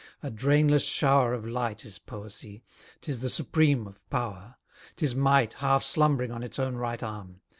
A drainless shower Of light is poesy; 'tis the supreme of power; 'Tis might half slumb'ring on its own right arm.